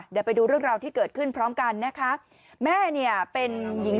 เดี๋ยวไปดูเรื่องราวที่เกิดขึ้นพร้อมกันนะคะแม่เนี่ยเป็นหญิง